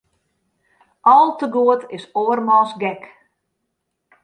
Al te goed is oarmans gek.